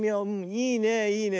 いいねいいね。